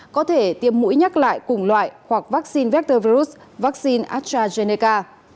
có thể tiêm mũi nhắc lại cùng loại hoặc vaccine vector virus vaccine astrazeneca